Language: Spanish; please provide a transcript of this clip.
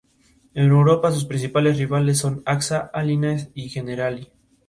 Las tumbas infantiles, en cambio, muestran un patrón de enterramiento muy distinto.